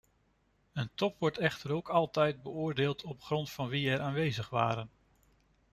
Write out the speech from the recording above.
Een top wordt echter ook altijd beoordeeld op grond van wie er aanwezig waren.